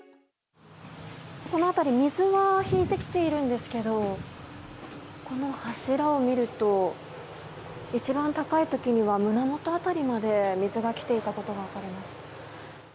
この辺り水が引いてきているんですけどこの柱を見ると一番高い時には胸元辺りまで水が来ていたことが分かります。